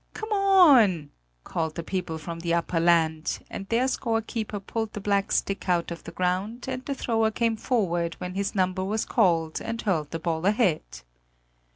"Come on!" called the people from the upper land, and their score keeper pulled the black stick out of the ground, and the thrower came forward when his number was called and hurled the ball ahead.